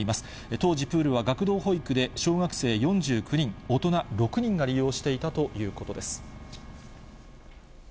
当時プールは学童保育で小学生４９人、大人６人が利用していたということです。